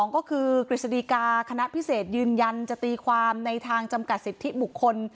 ก็คือกฤษฎีกาคณะพิเศษยืนยันจะตีความในทางจำกัดสิทธิบุคคล